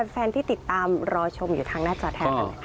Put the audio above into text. แฟนที่ติดตามรอชมอยู่ทางหน้าจอแทน